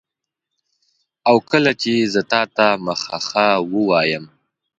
او کله چي زه تاته مخه ښه وایم